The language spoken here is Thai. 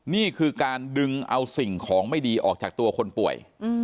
นี่คือการดึงเอาสิ่งของไม่ดีออกจากตัวคนป่วย